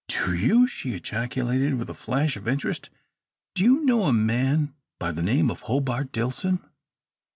"Do you?" she ejaculated, with a flash of interest. "Do you know a man by the name of Hobart Dillson?"